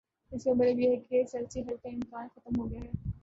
اس کا مطلب ہے کہ سیاسی حل کا امکان ختم ہو گیا ہے۔